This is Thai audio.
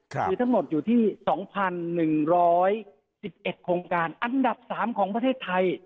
คือทั้งหมดอยู่ที่๒๑๑๑โครงการอันดับ๓ของประเทศไทย